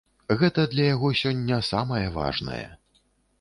Гэта для яго сёння самае важнае.